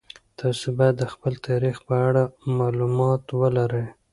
تاسو باید د خپل تاریخ په اړه مالومات ولرئ.